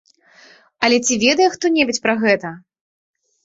Але ці ведае хто-небудзь пра гэта?